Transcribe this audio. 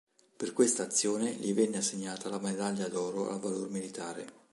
Per questa azione gli venne assegnata la Medaglia d'oro al valor militare.